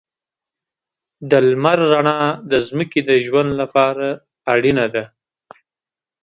د لمر رڼا د ځمکې د ژوند لپاره اړینه ده.